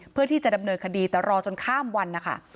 เพื่อที่จะดำเนินคดีแต่รอจนข้ามวันนะคะ